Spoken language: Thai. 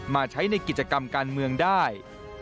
มาใช้ในกิจกรรมการเมืองได้